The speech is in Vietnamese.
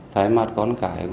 thái mắt con cãi